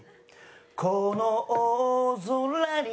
「この大空に」